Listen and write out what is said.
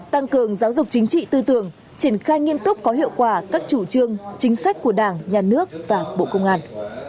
tăng cường giáo dục chính trị tư tưởng triển khai nghiêm túc có hiệu quả các chủ trương chính sách của đảng nhà nước và bộ công an